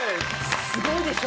すごいでしょ？